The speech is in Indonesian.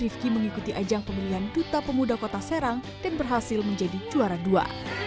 pada tahun dua ribu dua puluh rifki mengikuti ajang pemilihan duta pemuda kota serang dan berhasil menjadi juara dua